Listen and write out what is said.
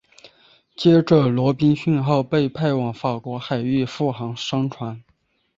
接着罗宾逊号被派往法国海域护航商船。